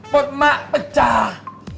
pot ma pecah